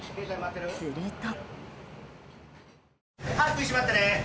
すると。